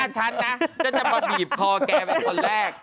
ฉันนะฉันจะมาบีบคอแกเป็นคนแรก